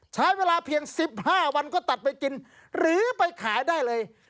ใช้เวลาเพียง๑๕วันก็ตัดไปกินหรือไปขายได้เลย